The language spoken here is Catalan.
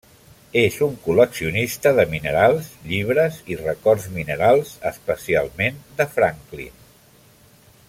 És un col·leccionista de minerals, llibres i records minerals, especialment de Franklin.